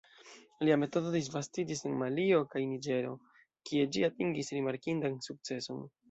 Lia metodo disvastiĝis en Malio kaj Niĝero, kie ĝi atingis rimarkindan sukceson.